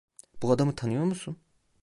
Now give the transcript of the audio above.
Bu adamı tanıyor musun?